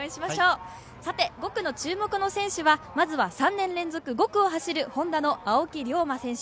５区の注目の選手は３年連続５区を走るＨｏｎｄａの青木涼真選手。